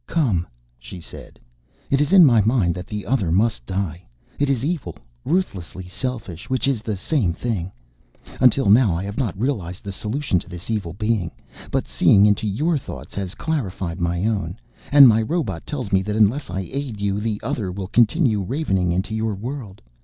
"Come," she said. "It is in my mind that the Other must die. It is evil, ruthlessly selfish, which is the same thing. Until now I have not realized the solution to this evil being. But seeing into your thoughts has clarified my own. And my robot tells me that unless I aid you, the Other will continue ravening into your world.